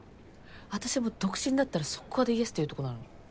私も独身だったら速攻でイエスって言うとこなのに。